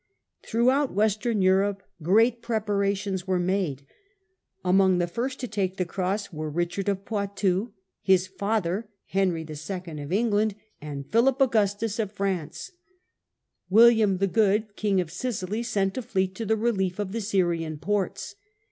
Through out Western Europe great preparations were made. Among 206 THE CENTRAL PERIOD OF THE MIDDLE AGE the first to take the cross were Eichard of Poitou, his father, Henry 11. of England, and Philip Augustus of France. William the Good, King of Sicily, sent a fleet to the relief of the Syrian ports.